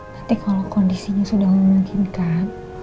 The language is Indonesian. tapi kalau kondisinya sudah memungkinkan